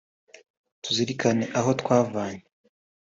tuzirikane aho twavanye